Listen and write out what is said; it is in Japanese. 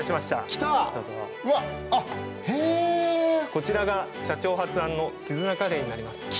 こちらが社長発案のＫＩＺＵＮＡカレーになります。